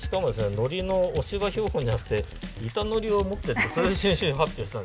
ノリの押し葉標本じゃなくて板ノリを持っていってそれを新種発表したんですよ。